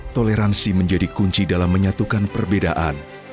toleransi menjadi kunci dalam menyatukan perbedaan